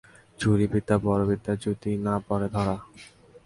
চুরি বিদ্যা বড় বিদ্যা যদি না পড়ে ধরা।